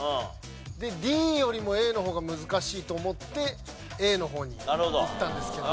ＤよりもＡの方が難しいと思ってＡの方にいったんですけど。